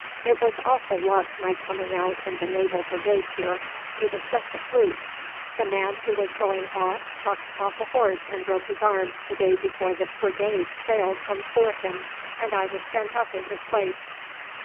It was awful luck my coming out in the Naval Brigade here; it was just a fluke. The man who was going was chucked off a horse and broke his arm the day before the brigade sailed from Suakim, and I was sent up in his place.